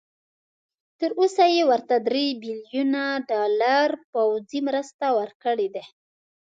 تر اوسه یې ورته درې بيلیونه ډالر پوځي مرسته ورکړي دي.